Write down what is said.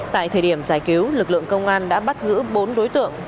tại thời điểm giải cứu lực lượng công an đã bắt giữ bốn đối tượng